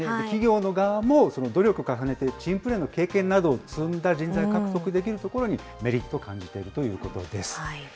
企業の側も努力を重ねて、チームプレーの経験などを積んだ人材を獲得できるところにメリットを感じているということです。